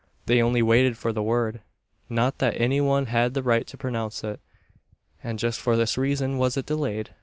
They only waited for the word. Not that any one had the right to pronounce it. And just for this reason was it delayed.